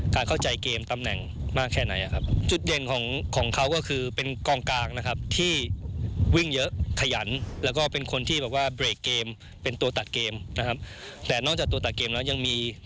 การเข้าใจเกมตำแหน่งมากแค่ไหนนะครับ